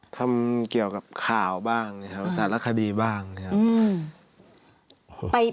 ทำเกี่ยวกับข่าวบ้างนะครับสารคดีบ้างนะครับ